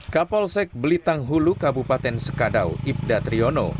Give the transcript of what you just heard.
kapolsek belitang hulu kabupaten sekadau ibda triyono